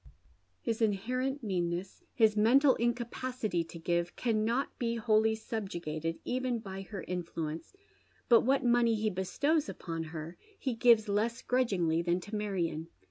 His inherent meanneffi, his mental incapacity to give, carmot be wholly sub jugated even by her influence, but what money he bestows upon ber he gives less grudgingly than to Marion.